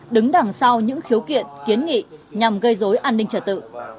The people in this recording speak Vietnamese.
đứng đằng sau những khiếu kiện kiến nghị nhằm gây dối an ninh trật tự